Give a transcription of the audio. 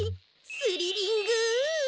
スリリング！